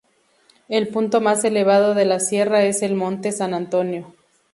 El punto más elevado de la sierra es el monte San Antonio.